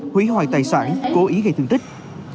hủy hoại tài sản cố ý gây thương tích